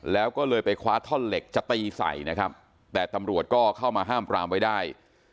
แล้วก็เลยไปคว้าท่อนเหล็กจะตีใส่นะครับแต่ตำรวจก็เข้ามาห้ามปรามไว้ได้